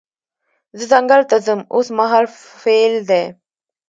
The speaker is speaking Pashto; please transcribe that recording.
زه ځنګل ته ځم اوس مهال فعل دی.